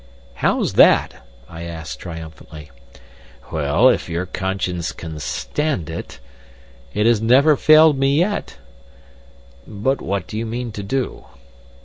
"How's that?" I asked, triumphantly. "Well if your conscience can stand it " "It has never failed me yet." "But what do you mean to do?"